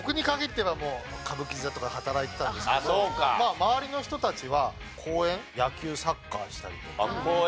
周りの人たちは公園野球サッカーしたり。